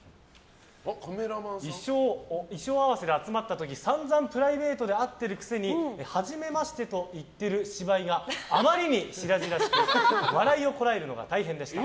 衣装合わせで集まった時散々プライベートで会っているくせに初めましてと言っている芝居があまりに白々しく笑いをこらえるのが大変でした。